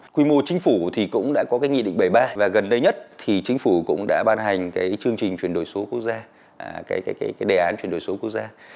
quy mô chính phủ thì cũng đã có cái nghị định bảy mươi ba và gần đây nhất thì chính phủ cũng đã ban hành cái chương trình chuyển đổi số quốc gia cái đề án chuyển đổi số quốc gia